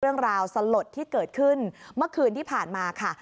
เรื่องราวสลดที่เกิดขึ้นเมื่อคืนที่ผ่านมาค่ะ